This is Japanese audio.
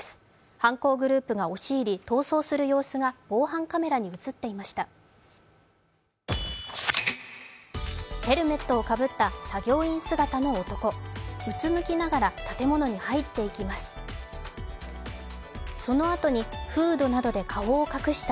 犯行グループが押し入り逃走する様子が防犯カメラに映っていました。